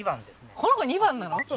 この子２番なの？